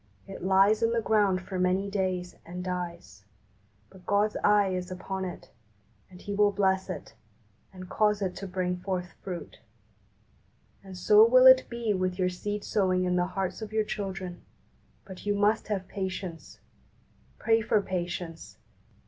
It lies in the ground for many days, and dies ; but God's eye is upon it, and He will bless it, and cause it to bring forth fruit. And so will it be with your seed sowing in the hearts of your children; but you must have patience. Pray for patience.